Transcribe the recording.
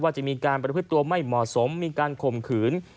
จะมีการประพฤติตัวไม่เหมาะสมมีการข่มขืน